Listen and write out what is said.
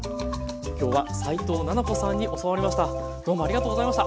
今日は齋藤菜々子さんに教わりました。